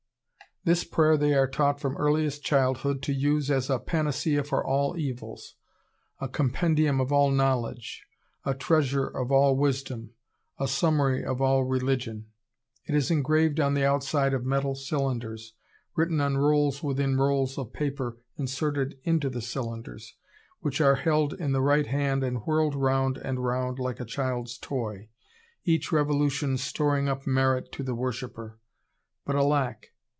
This prayer they are taught from earliest childhood to use as "a panacea for all evils, a compendium of all knowledge, a treasury of all wisdom, a summary of all religion." It is engraved on the outside of metal cylinders, written on rolls within rolls of paper inserted into the cylinders, which are held in the right hand and whirled round and round like a child's toy, each revolution storing up merit to the worshipper. But alack!